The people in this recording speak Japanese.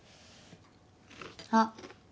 あっ。